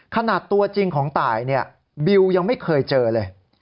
ขนาดตัวจริงของตายเนี่ยบิวยังไม่เคยเจอเลย